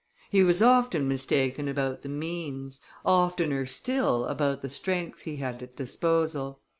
He was often mistaken about the means, oftener still about the strength he had at disposal.